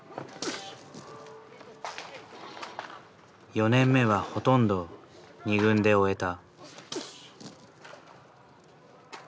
４年目はほとんど２軍で終えた。